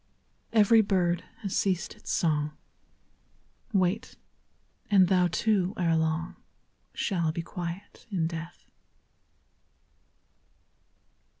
Every bird has ceased its song, Wait ; and thou too, ere long, Shall be quiet in death.